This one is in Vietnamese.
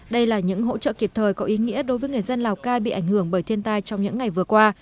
đây là những hỗ trợ kịp thời có ý nghĩa đối với người dân lào cai bị ảnh hưởng bởi thiên tai trong những ngày vừa qua